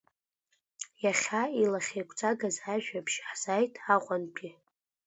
Иахьа илахьеиқәҵагаз ажәабжь ҳзааит Аҟәантәи…